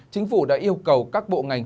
chính phủ đã yêu cầu các bộ ngành